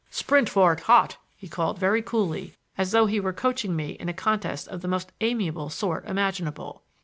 "Sprint for it hot," he called very coolly, as though he were coaching me in a contest of the most amiable sort imaginable.